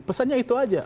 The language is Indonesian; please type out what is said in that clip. pesannya itu aja